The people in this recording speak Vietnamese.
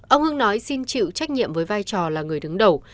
ông hưng nói xin chịu trách nhiệm với vai trò là người đứng đầu